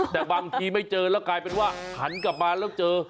แต่บางทีไม่เจอแล้วกลายเป็นว่าหันกลับมาแล้วเจอ